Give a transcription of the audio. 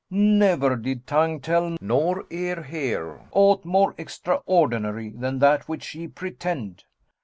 Never did tongue tell nor ear hear aught more extraordinary than that which ye pretend.